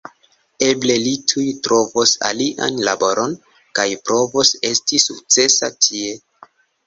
Eble li tuj trovos alian laboron, kaj provos esti sukcesa tie.